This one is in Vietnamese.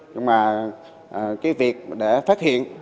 nhưng mà cái việc để phát hiện